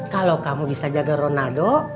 kalau kamu bisa jaga ronaldo